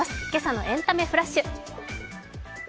今朝の「エンタメフラッシュ」。